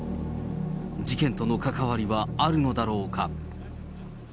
事件との関わりはあるのだろうか。